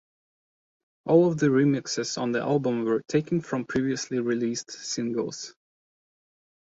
All of the remixes on the album were taken from previously released singles.